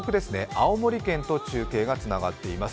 青森県と中継がつながっています。